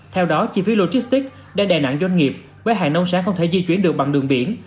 theo đó chi phí logistics đã đè nặng doanh nghiệp với hàng nông sản không thể di chuyển được bằng đường biển